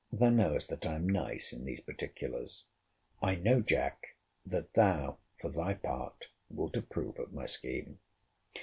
Thou knowest that I am nice in these particulars. I know, Jack, that thou for thy part, wilt approve of my scheme.